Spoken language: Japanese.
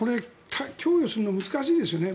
供与するのが難しいですよね。